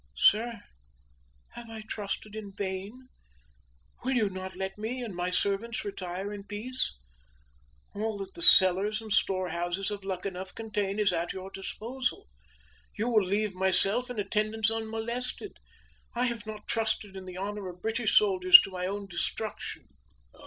Sir, have I trusted in vain? Will you not let me and my servants retire in peace? All that the cellars and storehouses of Luckenough contain is at your disposal. You will leave myself and attendants unmolested. I have not trusted in the honor of British soldiers to my own destruction!"